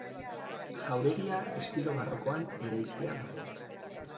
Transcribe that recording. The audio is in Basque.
Jauregia estilo barrokoan eraikia dago.